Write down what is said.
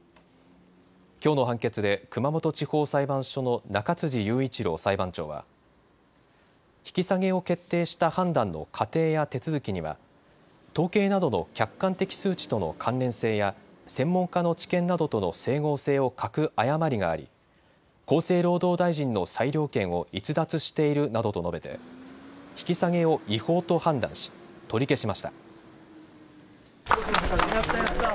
きょうの判決で熊本地方裁判所の中辻雄一朗裁判長は引き下げを決定した判断の過程や手続きには統計などの客観的数値との関連性や専門家の知見などとの整合性を欠く誤りがあり厚生労働大臣の裁量権を逸脱しているなどと述べて引き下げを違法と判断し取り消しました。